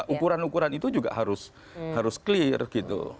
ukuran ukuran itu juga harus clear gitu